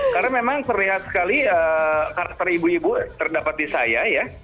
karena memang terlihat sekali karakter ibu ibu terdapat di saya ya